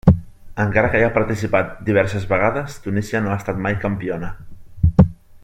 Encara que hi ha participat diverses vegades, Tunísia no ha estat mai campiona.